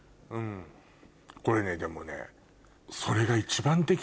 これねでもね。